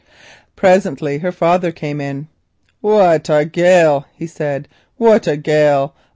Presently her father came in. "What a gale," he said, "what a gale!